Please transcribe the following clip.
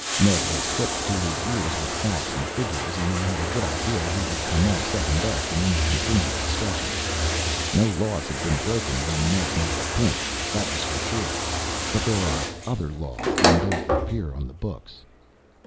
Ned was hipped to his ears with facts and figures and I had a good idea who would come off second best in any continued discussion. No laws had been broken when Ned made the pinch, that was for sure. But there are other laws than those that appear on the books.